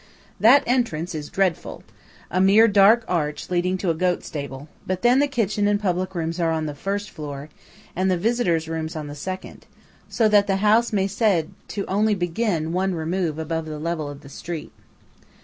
That entrance is dreadful–a mere dark arch leading to a goat stable; but then the kitchen and public rooms are on the first floor, and the visitors' rooms on the second; so that the house may be said only to begin one remove above the level of the street.